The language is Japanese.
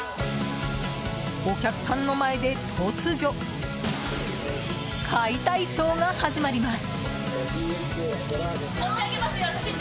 お客さんの前で突如解体ショーが始まります。